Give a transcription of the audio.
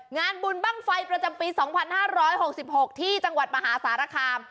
งานบุญบ้างไฟประจำปี๒๕๖๖ที่จังหวัดมหาสารคาม